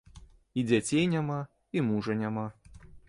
І дзяцей няма, і мужа няма.